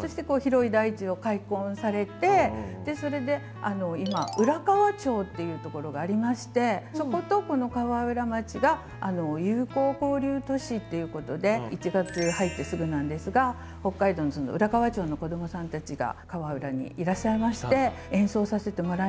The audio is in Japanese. そして広い大地を開墾されてそれで今浦河町っていうところがありましてそことこの河浦町が友好交流都市っていうことで１月入ってすぐなんですが北海道の浦河町の子どもさんたちが河浦にいらっしゃいまして演奏させてもらいました。